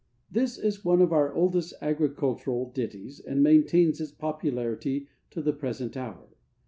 [THIS is one of our oldest agricultural ditties, and maintains its popularity to the present hour.